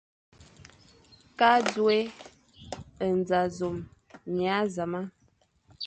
Ke azôe, nẑa zôme, nya zame,